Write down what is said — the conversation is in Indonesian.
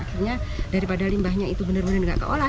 akhirnya daripada limbahnya itu bener bener gak keolah